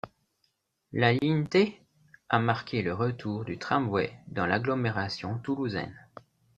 La ligne T a marqué le retour du tramway dans l'agglomération toulousaine.